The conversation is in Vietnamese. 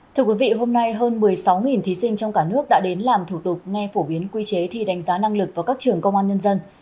thưa quý vị hôm nay hơn một mươi sáu thí sinh trong cả nước đã đến làm thủ tục nghe phổ biến quy chế thi đánh giá năng lực vào các trường công an nhân dân